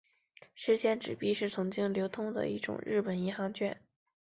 十钱纸币是曾经流通的一种日本银行券。